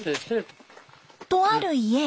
とある家へ。